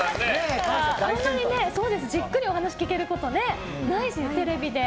あんまりじっくりお話聞けることないし、テレビで。